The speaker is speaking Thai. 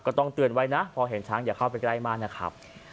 ต้องเตือนไว้นะพอเห็นช้างอย่าเข้าไปใกล้มากนะครับ